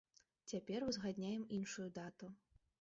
Цяпер узгадняем іншую дату.